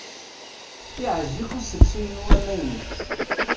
Yeɛjeb-ik uselsu-inu amaynu?